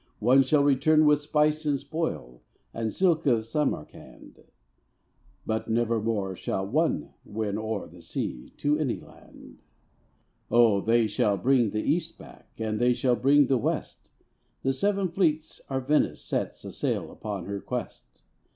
One shall return with spice and spoil And silk of Samarcand. But nevermore shall one win o'er The sea, to any land. _Oh, they shall bring the East back, And they shall bring the West, The seven fleets our Venice sets A sail upon her quest.